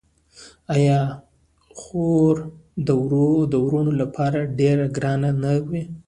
آیا خور د وروڼو لپاره ډیره ګرانه نه وي؟